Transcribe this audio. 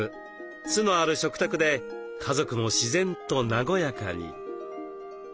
酢のある食卓で家族も自然と和やかに。